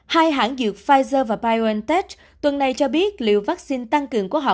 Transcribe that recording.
hai hãng dược pfizer và biontech tuần này cho biết liệu vaccine tăng cường của họ